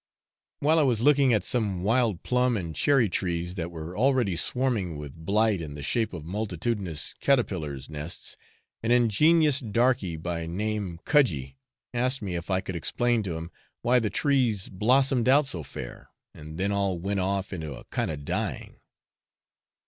While I was looking at some wild plum and cherry trees that were already swarming with blight in the shape of multitudinous caterpillars' nests, an ingenuous darkie, by name Cudgie, asked me if I could explain to him why the trees blossomed out so fair, and then all 'went off into a kind of dying.'